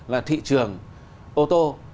là thị trường ô tô